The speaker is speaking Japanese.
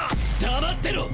黙ってろ！